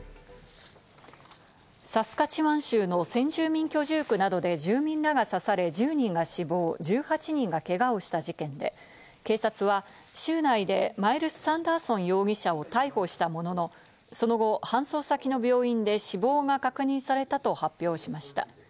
サスカチワン州の先住民居住区などで住民らが刺され、１０人が死亡、１８人がけがをした事件で、警察は州内でマイルス・サンダーソン容疑者を逮捕したものの、その後、搬送先の病院で死亡が確認されたと発表しました。